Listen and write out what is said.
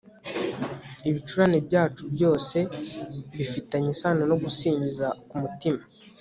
Ibicurane byacu byose bifitanye isano no gusinzira kumutima